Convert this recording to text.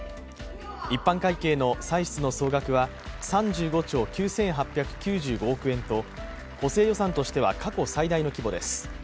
一般会計の歳出の総額は３５兆９８９５億円と補正予算としては過去最大の規模です。